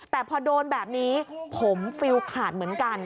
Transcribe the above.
แต่พอโดนแบบนี้ผมฟิลขาดเหมือนกัน